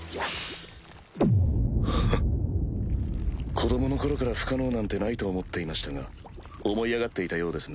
子供の頃から不可能なんてないと思っていましたが思い上がっていたようですね。